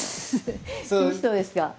いい人ですか？